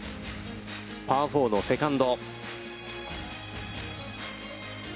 パー４のセカンド。